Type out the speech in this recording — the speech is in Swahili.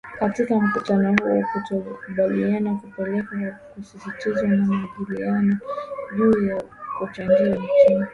Katika mkutano huu kutokukubaliana kulipelekea kusitishwa kwa majadiliano juu ya kuchagua nchi itakayokuwa mwenyeji wa Taasisi hiyo ya kifedha.